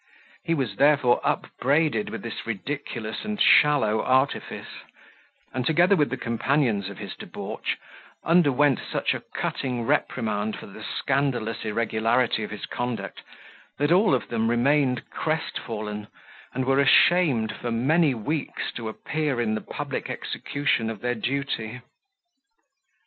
He was therefore upbraided with this ridiculous and shallow artifice, and, together with the companions of his debauch, underwent such a cutting reprimand for the scandalous irregularity of his conduct, that all of them remained crest fallen, and were ashamed, for many weeks, to appear in the public execution of their duty.